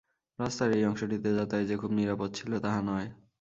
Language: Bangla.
রাস্তার এই অংশটিতে যাতায়াত যে খুব নিরাপদ ছিল, তাহা নয়।